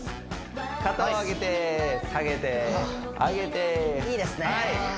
肩を上げて下げて上げていいですね